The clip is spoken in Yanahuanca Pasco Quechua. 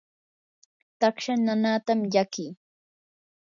taksha nanaatam llakii.